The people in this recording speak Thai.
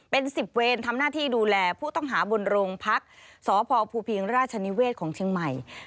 เป็น๑๐เวรทำหน้าที่ดูแลผู้ต้องหาบนโรงพักษ์สพภูพิงราชนิเวศของเชียงใหม่